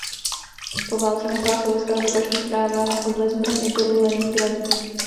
Po válce nechala sovětská okupační správa odvézt zbraně do Leningradu.